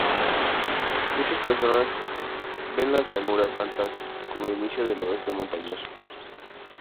Muchas personas ven las Llanuras Altas como el inicio del Oeste Montañoso.